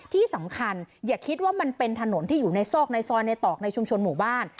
ที่สำคัญอย่าคิดว่ามันเป็นถนนที่อยู่ในซอกในซอยในตอกในชุมชนหมู่บ้าน